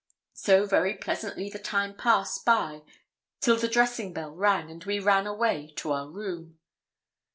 So very pleasantly the time passed by till the dressing bell rang, and we ran away to our room.